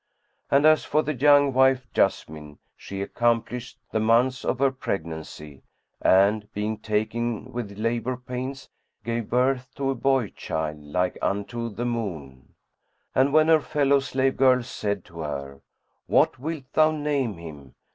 And as for the young wife Jessamine, she accomplished the months of her pregnancy and, being taken with labour pains, gave birth to a boy child like unto the moon. And when her fellow slave girls said to her, "What wilt thou name him?"